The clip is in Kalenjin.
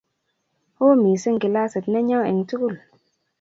oo mising kilasit nenyoo eng sukul